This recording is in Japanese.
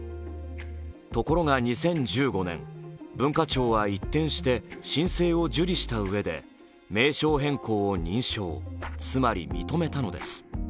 ところが２０１５年、文化庁は一転して申請を受理したうえで名称変更を認証、つまり認めたのです。